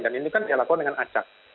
dan ini kan dilakukan dengan acak